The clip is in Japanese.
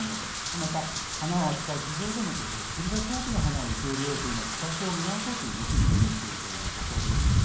また、花を扱う市場でもできるだけ多くの花を受け入れようと今、規格を見直そうという動きも出てきているということです。